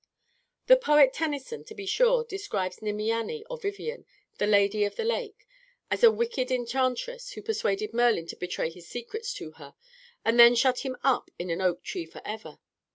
The poet Tennyson, to be sure, describes Nimiane or Vivian the Lady of the Lake as a wicked enchantress who persuaded Merlin to betray his secrets to her, and then shut him up in an oak tree forever.